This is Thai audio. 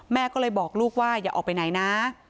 แม่ก็เลยบอกลูกว่าอย่าออกไปไหนนะ